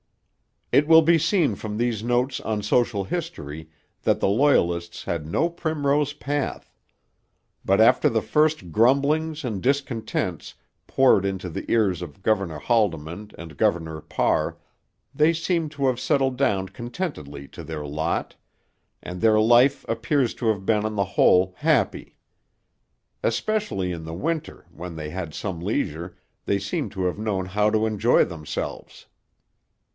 It will be seen from these notes on social history that the Loyalists had no primrose path. But after the first grumblings and discontents, poured into the ears of Governor Haldimand and Governor Parr, they seem to have settled down contentedly to their lot; and their life appears to have been on the whole happy. Especially in the winter, when they had some leisure, they seem to have known how to enjoy themselves.